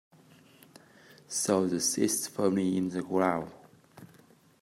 Sow the seeds firmly in the ground.